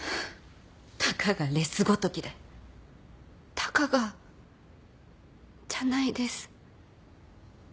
たかがじゃないです。